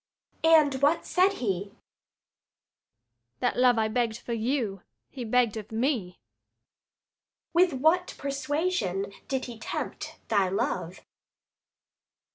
Adr. And what said he? Luc. That love I begg'd for you he begg'd of me. Adr. With what persuasion did he tempt thy love?